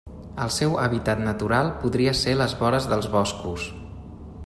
El seu hàbitat natural podria ser les vores dels boscos.